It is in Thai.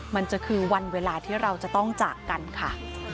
มันจะคือวันเวลาที่เราจะต้องจากกันค่ะ